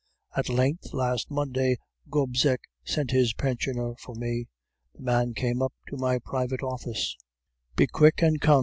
"At length, last Monday, Gobseck sent his pensioner for me. The man came up to my private office. "'Be quick and come, M.